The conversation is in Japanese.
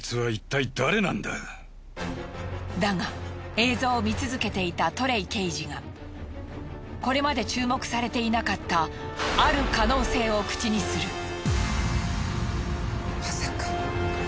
だが映像を見続けていたトレイ刑事がこれまで注目されていなかったある可能性を口にする。